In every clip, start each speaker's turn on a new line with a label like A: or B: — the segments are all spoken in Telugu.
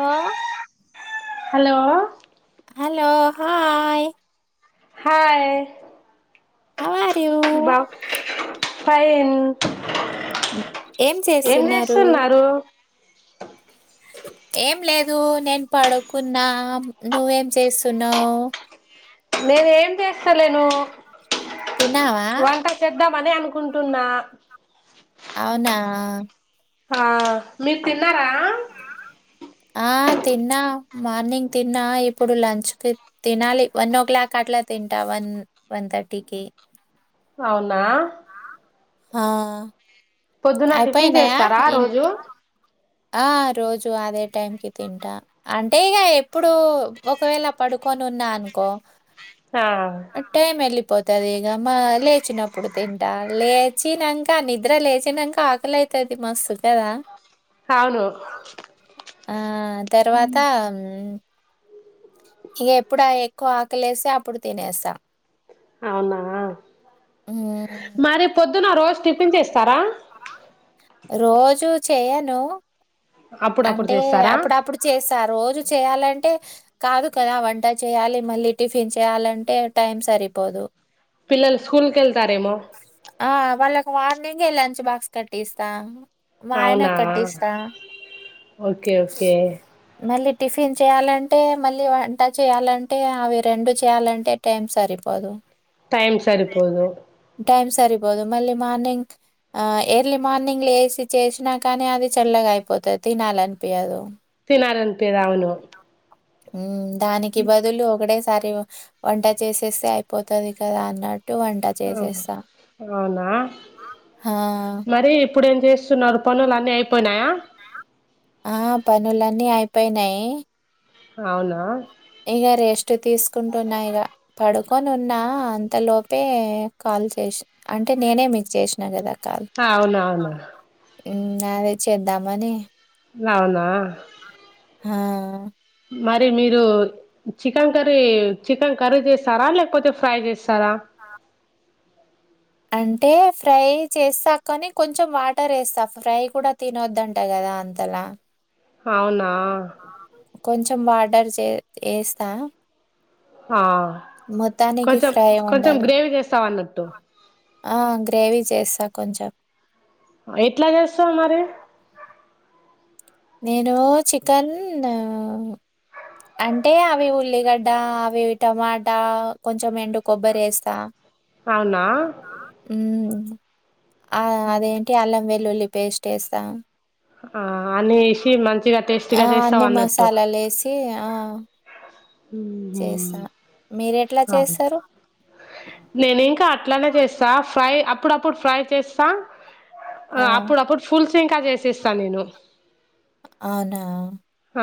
A: ఆ
B: hello
A: hello hi
B: hi
A: how are you
B: బౌ ఫైన్ ఏం జెస్తున్నారు
A: ఏం లే దు నేన్ పడుకున్నా నువ్వేం చేస్తున్నావు
B: నేను ఏం చేస్తలేను
A: తిన్నావా
B: వంట చేద్దామని అనుకుంట్ టున్నా
A: అవునా
B: ఆ మీరు తిన్నారా
A: కదా ఆ తిన్న మార్నింగ్ తిన్న ఇప్పుడు లంచ్ కి తినాలి వన్ ఓ క్లాక్ కట్ల తింట వన్ వన్ థర్టీకి
B: అవునా
A: ఆ
B: పొద్దున టిఫిన్
A: అయిపోయినయా
B: చేస్తారా
A: ఏంట్
B: రోజు
A: ఆ రోజు అదే టైమ్కి తింట అంటే ఇగ ఎప్పుడు ఒకవేళ పడుకు కోనున్నా అనుకో
B: ఆ
A: టైమ్ ఎల్లి పోతది ఇగ మా లేచినప్పుడు తింటా లేచినంక నిద్ర లేచినంక ఆకలై తది మస్తు కదా
B: అవును
A: అ తర్వాత అం ఇగ ఎప్పుడ ఎక్కువ ఆకలి లేస్తే అప్పుడు తినేస్తా
B: అవునా
A: మ్మ్
B: మరీపోద్దు ద్దున్న రోజు టిఫిన్ చేస్తారా
A: రోజు చేయను
B: అప్పుడప్పుడు
A: అంటే
B: చేస్తారా
A: అప్పుడప్పుడు చేస్తా రోజు చే చేయాలంటే కాదు కదా వంట చేయాలి మళ్ళీ టిఫిన్ చేయాలంటే టైం సరిపోదు
B: పిల్లల్ స్కూల్కేళ్తారేమో
A: ఆ వాళ్ళకు మార్నింగే లంచ్ బాక్స్ కట్టిస్తా మా ఆయన
B: అవునా
A: కట్టిస్తా
B: ఓకే ఓకే
A: మళ్ళీ టిఫిన్ చేయాలంటే మళ్ళీ వంట చేయాలంటే అవి రెండు చేయాలంటే టైం సరిపో పదు
B: టైమ్ సరిపోదు
A: టైమ్ సరిపోదు మళ్ళీ మార్నింగ్ ఆ ఎర్లీ మార్నింగ్ లేసి చేసినా కానీ అది చల్లగా అయిపోతది తినాలనిపీ యదు
B: తినాలనిపియదు అవును
A: ఊ దానికి బదులు ఒకడేసారి వంట చేసేస్తే అయిపోతది కదా అన్న
B: హలో అవునా
A: ఆ!
B: మరీ ఇప్ ఇప్పుడేమ్ చేస్తున్నారు పనులన్నీ అయిపోయినాయా.
A: ఆ పనులన్నీ అయిపోయినయీ.
B: అవునా.
A: ఇగ రెస్ట్ తీసుకుంటున్నా ఇగ పడుకొనున్నా అంతలోపే క ల్ చేష్ అంటే నేనే మీక్ చేష్ణ గదా.
B: అవునవును.
A: ఇన్ అదె చేద్దామనీ.
B: లావునా.
A: హా
B: మరి మీరూ చికెన్ కర్రీ చికెన్ కర్రీ జేస్తారా లేకపోతే ఫ్రై జేస్ తర
A: అంటే ఫ్రై చేస్తా కని కొంచెం వాటర్ ఏస్తా ఫ్రై కుడా తినొద్దంట గదా అంత అలా
B: అవును
A: కొంచెం వాటర్ చే ఏస్తా.
B: ఆ కొంచెం
A: ఫ్రై
B: కొంచెం
A: ఉండదు
B: గ్రేవి చేస్తావ్ అన్నట్టు.
A: ఆ గ్రేవీ చేస్తా కొంచెం.
B: ఎట్లా జేస్తావ్ మరి.
A: నేనూ చికన్ ఆ అంటే అవి ఉల్లిగడ్డ అవి టమాటా కొంచెం ఎండు కొబ్బరి ఏస్తా.
B: అవునా
A: ఊమ్ అ అదేంటీ అల్లం వె లుల్లి పేస్ట్ ఏస్తాం.
B: ఆ అన్ని ఏషి మంచిగా
A: ఆ
B: టేస్టీగా
A: అన్ని
B: చేస్తవన్నట్టు.
A: మసాలాలు ఏసి ఆ
B: ఊహూ
A: చేస్తా మీరెట్లా చేస్తారు
B: నేనింకా అట్లనే జేస్తా ఫ్రై అప్పుడప్పుడు ఫ్రై చేస్తా ఆ అప్పుడప్పుడు ఫుల్ సు ప్ ఇంకా జేసేస్తా నేను.
A: అవునా.
B: ఆ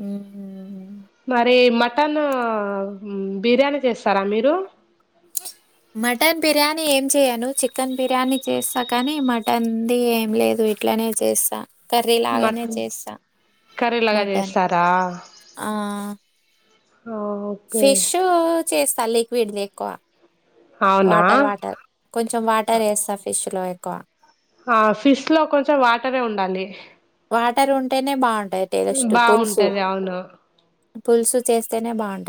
A: మ్మ్ మ్మ్ మ్మ్
B: మరి మటనూ బిర్యాని చేస్తరా మీరూ.
A: [inaudible] మటన్ బిర్యానీ ఏం చేయను చికెన్ బిర్యానీ చేస్త కానీ మటన్ ది ఏం లేదు ఇ ఇట్లనే చేస్తా కర్రీ లాగనే
B: మటన్
A: చేస్తా.
B: కర్రీలాగా
A: మటన్
B: చేస్తారా
A: ఆ
B: ఓకే
A: ఫిషూ చేస్తా లిక్విడ్ది ఎక్కువ.
B: అవునా
A: వాటర్ వాటర్ కొంచెం వాటర్ ఏస్తా ఫిష్ లో ఎక్కువ.
B: హా ఫిష్ లో కొంచెం వాటరే ఉండాలి.
A: వాటర్ ఉంటేనే బావుంటది టేస్టు పుల్సు
B: బాగుంటది అవును
A: పుల్సు చేస్తేనే బాన్.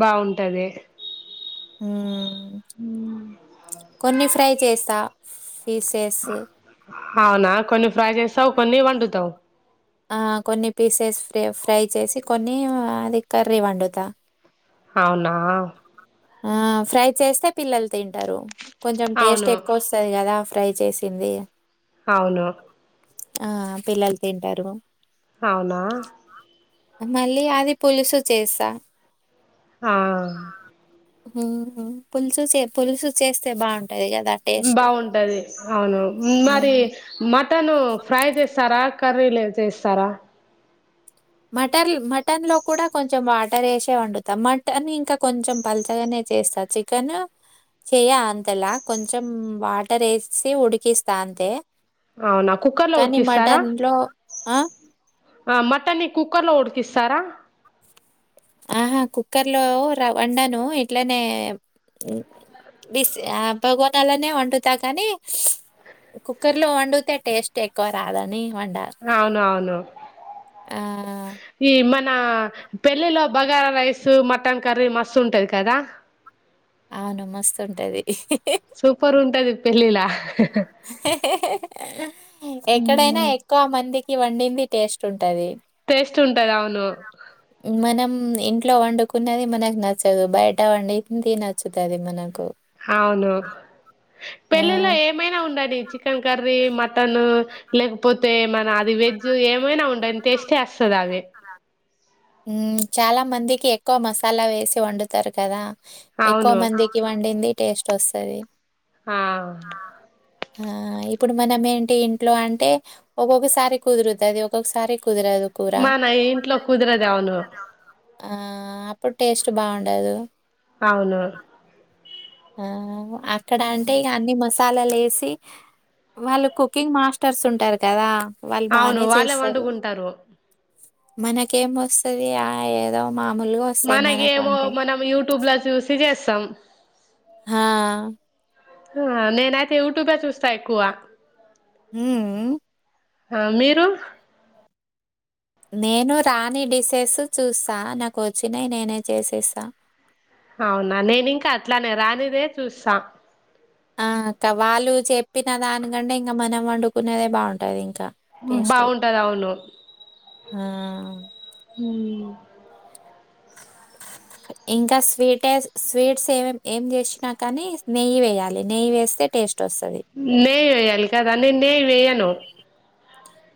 B: బావుంటది.
A: మ్మ్ కొన్ని ఫ్రై చేస్తా. పీసెస్
B: అవునా కొన్ని ఫ్రై చేస్తావ్ కొన్ని వండుతవ్.
A: ఆ కొన్ని పీసెస్ ఫ్రె ఫ్రై చేసి కొన్ని అది కర్రీ వండుతా.
B: అవునా.
A: ఆ ఫ్రై చేస్తే పిల్లల్ తింటరూ కొంచెం టేస్ట్
B: అవును
A: ఎక్కోస్తది గదా. ఫ్రై చేసిందీ.
B: అవును.
A: ఆ పిల్లల్ తింటరూ.
B: అవునా.
A: మళ్ళీ అది పులుసు చేస్సా.
B: ఆ
A: ఉ హు పులుసు చే పులుసు చేస్తే బాగున్
B: ఉమ్ బావుంటది అవును మరి
A: హ్మ్.
B: మట్ మటను ఫ్రై చేస్తారా కర్రీలే చేస్తారా
A: మటర్లు మటన్ లో కూడా కొంచెం వాటర్ ఏసే వండుతాం మటన్ ఇంకా కొంచెం పల్చగనే చేస్తా చికెను చెయ అంతలా కొంచెం వాటర్ యేసి ఉడికిస్తా అంతే.
B: అవునా కుక్కర్ లో
A: కానీ
B: ఉడికిస్తారా
A: మటన్‌లో ఆ!
B: ఆ మటన్ని కుక్కర్ లో ఉడికిస్తారా
A: ఆహా కుక్కర్లో రవ్ వండను ఇట్లానే దిస్ ఆ పగవనాలనే వండుతా కానీ కుక్కర్ లో వండుతే టేస్ట్ ఎక్కువ రాదని వండ.
B: అవును అవును
A: ఆ!
B: ఈ మన్ పెళ్ళిలో బగారా రైస్ మటన్ కర్రీ మస్తు ఉంటది కదా.
A: అవును మస్తు ఉంటది
B: సూపర్ ఉంటది పెళ్లిలా
A: ఎక్కడైనా
B: మ్మ్.
A: ఎక్కువ మందికి వండింది టేస్ట్ ఉన్ టది
B: టేస్ట్ ఉంటది అవును
A: మనమ్ ఉమ్ ఇంట్లో వండుకునేది మనకు నచ్చదు బయట వండింది నచ్చుతది మనకు.
B: అవును
A: ఆ
B: పెళ్ళిలో ఏమైనా వండని చికెన్ కర్ కర్రీ మటను లేకపోతే మన అది వెజ్జు ఏమైనా వన్ దాని టేస్టే వస్తదది అది
A: చాలా మందికి ఎక్కువ మసాలా వేసి వండుతారు కదా. ఎక్కువ
B: అవును
A: మందికి వండింది టేస్ట్ వస్తది
B: ఆ
A: ఆ ఆ ఇప్పుడు మనం ఏంటి ఇంట్లో అంటే ఒక్కొక్కసారి కుదురుతది ఒక్కొక్కసారి కుదరదు కూర.
B: మానా ఇంట్లో కుదరదు అవును
A: ఆ అప్పుడు టేస్ట్ బాగుండదు
B: అవును
A: ఆ అక్కడ అంటే ఇగ అన్ని మస్ పాలలో వేసి వాళ్ళు కుకింగ్ మాస్టర్స్ ఉంటారు కదా. వాళ్ళు
B: అవును
A: బానే
B: వాళ్ళే
A: చేస్తారు
B: వండుకుంటారు
A: మనకేమ్ వస్తది ఆ ఏదో మామూలుగా వస్తాయి మనకు
B: మనకేమో
A: వంటలు.
B: మనం యూట్యూబ్ లో చూసి చేస్తాం.
A: హా
B: ఆ నేనయితే యూట్యూబే చూస్తా ఎక్కువ
A: ఉ ఉ
B: ఆ మీరు
A: నేను రాని డిసెస్ చూస్తా నాకు వచ్చినాయి నేనే చేసేస్తా.
B: అవునా నేను ఇంకా అట్లానే రానిదే చూస్తా
A: ఆ అక్క వాళ్ళు చెప్పిన దానికంటే ఇంకా మనం వండుకున్నదే బాగుంటది. కా టేస్టు
B: బాగుంటది అవును
A: ఆ
B: ఉ
A: [inaudible] ఇంకా స్వీట్ స్ స్వీట్స్ ఏ ఏం చేసినా కానీ నెయ్యి వేయాలి నెయ్యి వేస్తే టేస్ట్.
B: నెయ్యి వెయ్యాలి కదా నేను నెయ్యి వేయను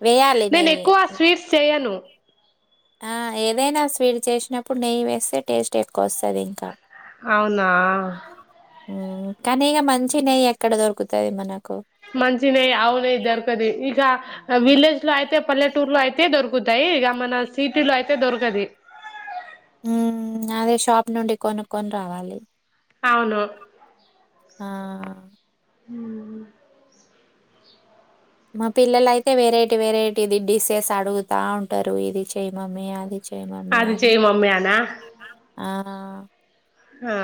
A: వేయాలి
B: నేను
A: నెయ్యి.
B: ఎక్కువ స్వీట్స్ చేయను
A: ఆ ఏదైనా స్వీట్ చేసినప్పుడు నెయ్యి వేస్తే టేస్ట్ వ
B: అవునా
A: కానీ ఇక మంచి నెయ్యి ఎక్కడ దొరుకుతది మనకు.
B: మంచిన నెయ్యి ఆవు నెయ్యి దొరకదు ఈక విలేజ్ లో అయితే పల్లెటూర్ లో అయితే దొరుకుతాయి, ఇక మన సిటీలో అయితే దొరకది
A: హ అదే షాప్ నుండి కొనుక్కొని రావాలి
B: అవును
A: ఆ
B: హు
A: మా పిల్లల అయితే వెరైటీ వెరైటీ ఇది డిషెస్ అడుగుతా ఉంటారు ఇది చెయ మమ్మీ అది చెయ
B: అది చెయ్మమ్మీ ఆన
A: ఆ
B: ఆ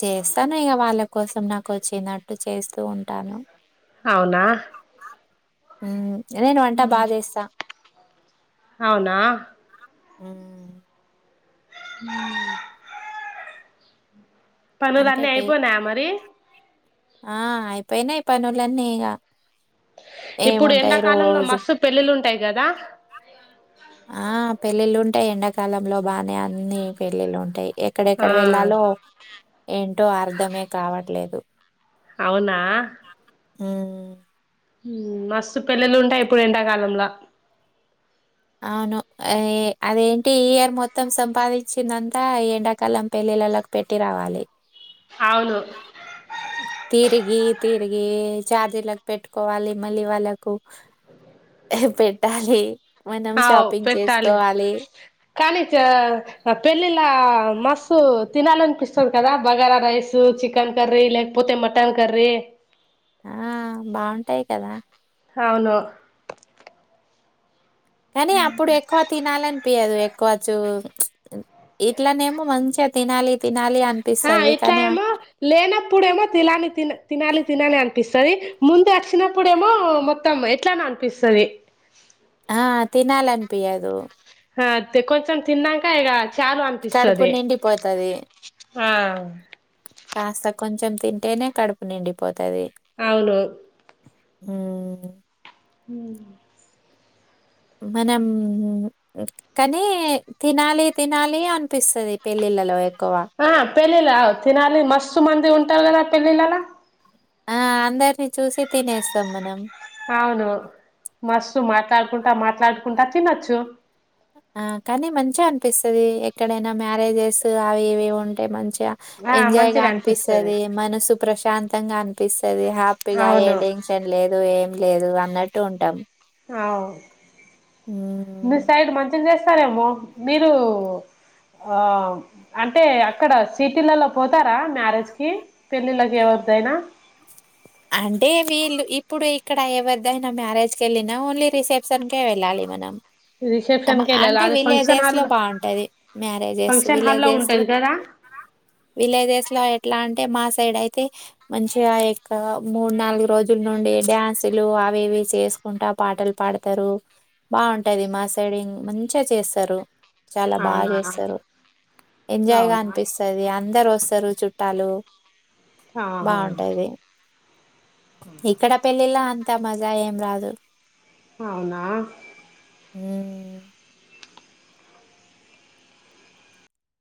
A: చేస్తాను ఇక వాళ్ళ కోసం నాకు వచ్చినట్టు చేస్తూ ఉంటాను
B: అవునా
A: నేను వంట బాగా చేస్తా
B: అవునా
A: ఆ
B: హు పనులు
A: అంటే
B: అన్నీ
A: టే
B: అయిపోనాయా మరి
A: ఆ అయిపోయినాయి పనులన్నీ ఇక
B: ఇప్పుడు ఎండాకాలంలో
A: రోజు
B: మస్సు పెళ్ళిళంటాయి కదా
A: ఆ పెళ్ళిళ్ళుంటాయి ఎండాకాలంలో బానే అన్నిీ పెళ్ళిళ్ళు ఉంటాయి
B: ఆ
A: ఎక్కడెక్కడ వెళ్ళాలో ఏంటో అర్ధమే కావట్లేదు
B: అవునా
A: ఉ
B: మస్తు పెళ్ల్లలు ఉంటాయి ఇప్పుడు ఎండాకాలంలో
A: అవును అదేంటి ఈయర్ మొత్తం సంపాదించిందంతా ఎండాకాలం పెళ్లి పిల్లలకు పెట్టి రావాలి
B: అవును
A: తిరిగి తిరిగి చఛార్జీలకు పెట్టుకోవాలి మళ్ళీ వాళ్ళకు పెట్టాలి మనం
B: అవు
A: షాపింగ్
B: పెట్టాలి
A: చేసుకోవాలి
B: కానీ పెళ్ళిలా మస్స్తు తినాలనిపిస్తుంది కదా బగారా రైస్ చికన్ కర్రీ లేకపోతే మటన్ కర్రీ
A: ఆ బాగుంటాయి కదా
B: అవును
A: కానీ అప్పుడు ఎక్కువ తినాలని పయదు కోవచ్చు ఇట్లనేమో మంచిగా తినాలి తినాలి
B: ఆ
A: అనిపిస్తది.
B: ఇట్లా
A: కానీ ఆ!
B: ఏమో లేనప్పుడేమో తినాలి త తినాలి తినాలి అంట అనిపిస్తుంది ముందు వచ్చినప్పుడేమో మొత్తం ఎట్లానే అనిపిస్తుంది
A: ఆ తినాలనిపించదు
B: ఆ అంతతే కొంచం తిన్నా అకా ఇక చాలు
A: కడుపు
B: అనిపిస్తుంది
A: నిండిపోతది.
B: ఆ
A: కాస్త కొంచెం తింటేనే కడుపు నిండిపోతు
B: అవును
A: హు
B: ఉ
A: మనం కానీ తినాలి తినాలి అనిపిస్తుది పెళ్ళిళ్ళలో ఎక్కువ
B: ఆ పెళ్లిల తినాలి మస్తు మంది ఉంటావు కదా పెళ్లిలలా
A: ఆ అందరిని చూసి తినేస్తాం మనం
B: అవును మస్తు మాట్లాడుకుంటా మాట్లాడుకుంటా తినొచ్చు
A: ఆ కానీ మంచిగా అనిపిస్తుది ఎక్కడైనా మ్యారేజెస్ అవి ఇవి ఉంటే మంచి
B: ఆ
A: ఎంజాయ్ గా
B: మంచిగా అనిపిస్తది
A: అనిపిస్తుది మనసు ప్రశాంతంగా అనిపిస్తుది అది హ్యాపీగా ఏ
B: అవును
A: టెన్షన్ లేదు ఏం లేదు అన్నట్టు ఉంటాం
B: అవు మీ
A: హ్మ్
B: సైడ్ మంచిగచే స్తారేమో మీరు ఆ అంటే అక్కడ సిటీలలో పోతారా మ్యారేజ్ కి పెళ్ళిళ్ళకి ఎవ రైనా
A: అ అంటే వీళ్ళు ఇప్పుడు ఇక్కడ ఎవరిదైనా మ్యారేజ్ కి వెళ్ళినా ఓన్లీ రిసెప్షన్కే వెళ్ళాలి మనం
B: రిసెప్షన్ కి వెళ్ళాలా
A: అంటే
B: అది ఫంక్షన్
A: విలేజెస్
B: హాల్
A: లో బాగుంటది మ్యారేజెస్
B: ఫంక్షన్ హాల్లో
A: విలేజెస్ లో
B: ఉంటది కదా
A: విలేజెస్ లో ఎట్లా అంటే మా సైడ్ అయితే మంచిగా ఇ మూడు నాలుగు రోజుల నుండి డ్యాన్సులు అవి ఇవి చేసుకుంటా పాటలు పాడతారు బాగుంటది మా సైడ్ మంచిగా చేస్తారు చాలా బా
B: అవునా
A: చేస్తారు ఎంజాయ్ గా
B: అవునా
A: అనిపిస్తది అందరూ వస్తారు చుట్టాలు
B: ఆహా
A: బాగుంటాది ఇక్కడ పెళ్ళిళ అంత మజా ఏం రాదు
B: అవునా
A: ఉమ్